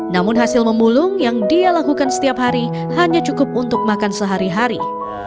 namun hasil memulung yang dia lakukan setiap hari hanya cukup untuk makan sehari hari